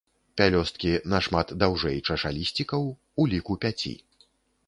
Пялёсткі нашмат даўжэй чашалісцікаў, у ліку пяці.